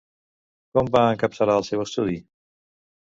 Com va encapçalar el seu estudi?